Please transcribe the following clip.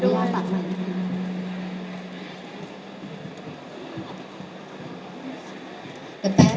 สวัสดีทุกคน